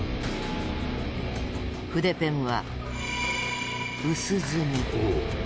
筆ペンは薄墨。